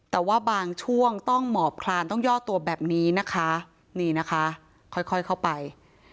แต่ว่าบางช่วงต้องหมอบคลานต้องย่อตัวแบบนี้นะคะนี่นะคะค่อยเข้าไป